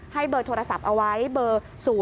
ให้เบอร์โทรศัพท์เอาไว้เบอร์๐๔๔๒๓๐๘๘๘